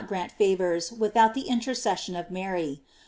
grant favors without the intercession of Mary.